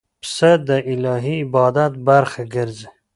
پسه د الهی عبادت برخه ګرځي.